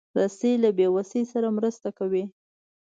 رسۍ له بېوسۍ سره مرسته کوي.